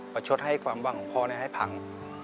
ประชดให้ความวังของพ่อนั้นให้ผัง